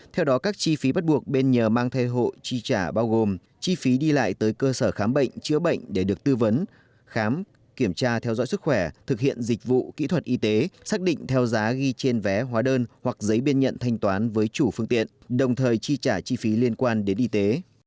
theo đó các chi phí bắt buộc bên nhờ mang thai hộ chi trả bao gồm chi phí đi lại tới cơ sở khám bệnh chữa bệnh để được tư vấn khám kiểm tra theo dõi sức khỏe thực hiện dịch vụ kỹ thuật y tế xác định theo giá ghi trên vé hóa đơn hoặc giấy bên nhận thanh toán với chủ phương tiện đồng thời chi trả chi phí liên quan đến y tế